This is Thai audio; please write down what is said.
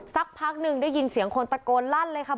สักพักหนึ่งได้ยินเสียงคนตะโกนลั่นเลยค่ะ